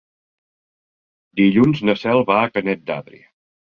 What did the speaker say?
Dilluns na Cel va a Canet d'Adri.